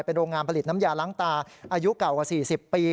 เป็นโรงงานผลิตน้ำยาล้างตาอายุเก่ากว่า๔๐ปี